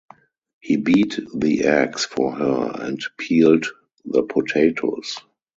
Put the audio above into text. He beat the eggs for her and peeled the potatoes.